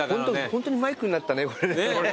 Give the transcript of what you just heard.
ホントにマイクになったねこれ。